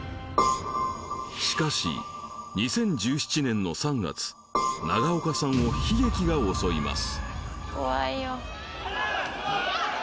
しかし２０１７年の３月長岡さんを悲劇が襲います